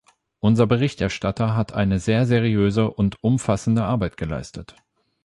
Unser Berichterstatter hat eine sehr seriöse und umfassende Arbeit geleistet.